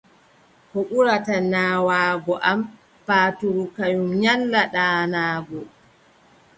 Ko ɓurata naawaago am, paatuuru kanyum nyalla ɗaanaago.